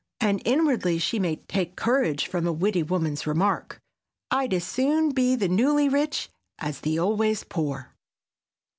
And inwardly she may take courage from a witty woman's remark, "I'd as soon be the newly rich as the always poor."